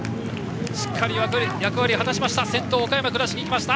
しっかり役割を果たしました。